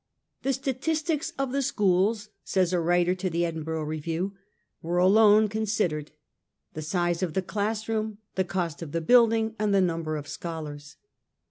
' The statistics of the schools,' says a writer in the ' Edinburgh Review,' ' were alone considered : the size of the schoolroom, the cost of the building, and the number of scholars.